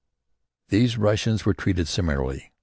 These Russians were treated similarly.